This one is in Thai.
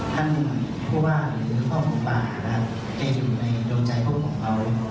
ท่านผู้ว่างหรือพ่อคุณป่าจะอยู่ในโดนใจพวกคุณเขา